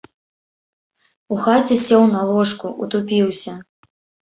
У хаце сеў на ложку, утупіўся.